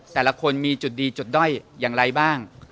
แต่ละคนมีจุดดีจุดด้อยอย่างไรบ้าง